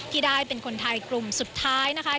ที่ได้เป็นคนไทยกลุ่มสุดท้ายนะคะ